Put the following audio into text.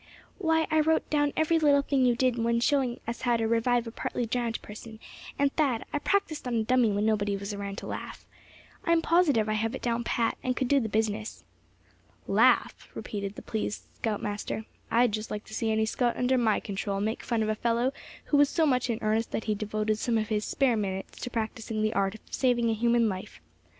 "Why, I wrote down every little thing you did when showing us how to revive a partly drowned person; and Thad, I practiced on a dummy when nobody was around to laugh. I'm positive I have it down pat, and could do the business." "Laugh!" repeated the pleased scout master; "I'd just like to see any scout under my control make fun of a fellow who was so much in earnest that he devoted some of his spare minutes to practicing the art of saving a human life.